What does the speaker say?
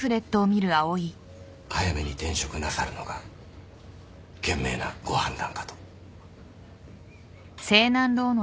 早めに転職なさるのが賢明なご判断かと。